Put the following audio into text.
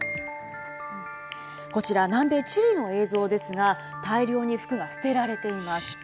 こちら南米チリの映像ですが大量に服が捨てられています。